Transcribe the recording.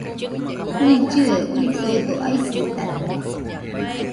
uillɨe, udodo aisɨtate